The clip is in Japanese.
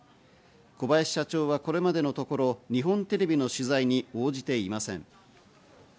小林社長はこれまでのところ日本テレビの取材に応じていません。